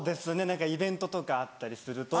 何かイベントとかあったりすると。